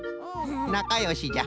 なかよしじゃ。